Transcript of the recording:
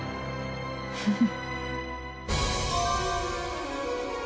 フフ。